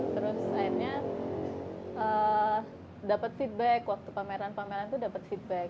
terus akhirnya dapet feedback waktu pameran pameran tuh dapet feedback